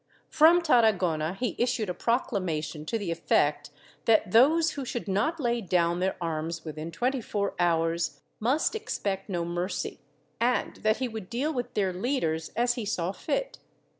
From Tarra gona he issued a proclamation to the effect that those who should not lay down their arms within twenty four hours must expect no mercy, and that he would deal with their leaders as he saw fit.